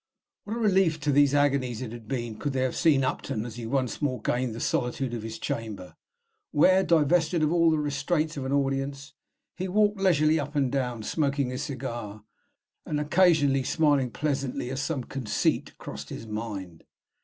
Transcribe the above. What a relief to these agonies had it been, could they have seen Upton as he once more gained the solitude of his chamber, where, divested of all the restraints of an audience, he walked leisurely up and down, smoking a cigar, and occasionally smiling pleasantly as some "conceit" crossed his mind.